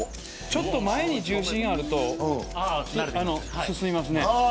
ちょっと前に重心があると進みますね。